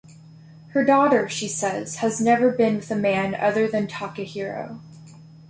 Her daughter, she says, has never been with a man other than Takehiro.